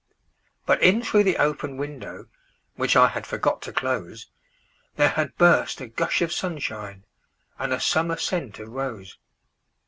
But in through the open window, Which I had forgot to close, There had burst a gush of sunshineAnd a summer scent of rose.